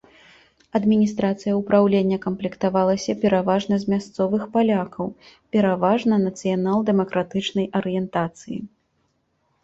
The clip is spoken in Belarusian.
Адміністрацыя ўпраўлення камплектавалася пераважна з мясцовых палякаў, пераважна нацыянал-дэмакратычнай арыентацыі.